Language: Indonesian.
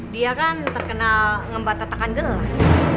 dia kan terkenal ngembat tetakan gelas